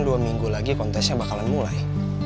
dua minggu lagi kontesnya bakalan mulai